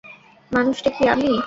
মানুষটা কি আমি?